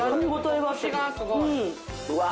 うわ。